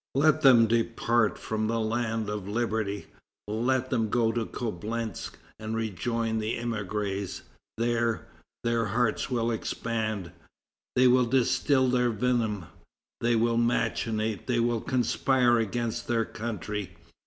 Let them depart from the land of liberty! Let them go to Coblentz and rejoin the émigrés. There, their hearts will expand, they will distil their venom, they will machinate, they will conspire against their country."